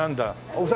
お酒？